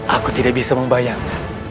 aku tidak bisa membayangkan